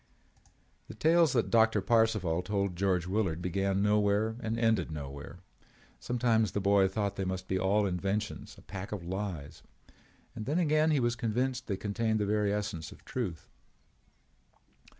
The tales that Doctor Parcival told George Willard began nowhere and ended nowhere. Sometimes the boy thought they must all be inventions, a pack of lies. And then again he was convinced that they contained the very essence of truth.